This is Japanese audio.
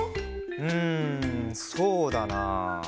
んそうだな。